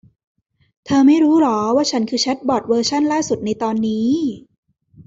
เธอไม่รู้หรอว่าฉันคือแชทบอท เวอร์ชั่นล่าสุดในตอนนี้